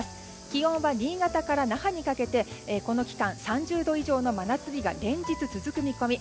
気温は新潟から那覇にかけてこの期間、３０度以上の真夏日が連日続く見込み。